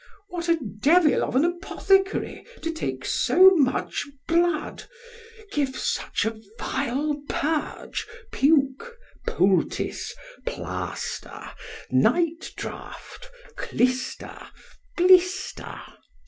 ——What a devil of an apothecary! to take so much blood—give such a vile purge—puke—poultice—plaister—night draught—clyster—blister?